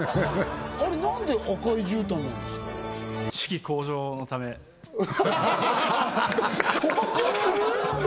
あれなんで赤いじゅうたんなんですか向上する！？